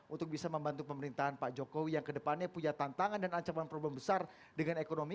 untuk bisa membantu pemerintahan pak jokowi yang kedepannya punya tantangan dan ancaman problem besar dengan ekonomi